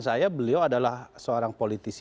saya beliau adalah seorang politisi